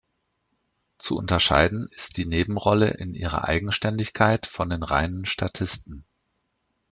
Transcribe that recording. Zu unterscheiden ist die Nebenrolle in ihrer Eigenständigkeit von den reinen Statisten.